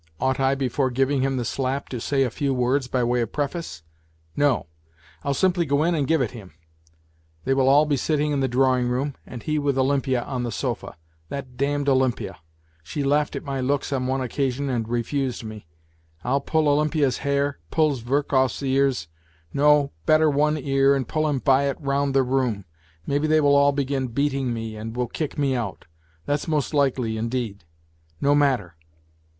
Ought I before giving him the slap to say a few words by way of preface ? No. I'll simply go in and give it him . They will all be sitting in the drawing room, and he with Olympia on the sofa. That damned Olympia ! She laughed at my looks on one occasion and refused me. I'll pull Olympia's hair, pull Zverkov's ears ! No, better one ear, and pull him by it round the room. Maybe they will all begin beating me and will kick me out. That's most likely, indeed. No matter!